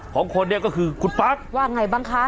ของคนเนี่ยก็คือคุณปั๊กว่าไงบ้างคะ